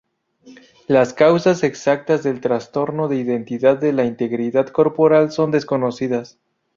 Las causas exactas del trastorno de identidad de la integridad corporal son desconocidas.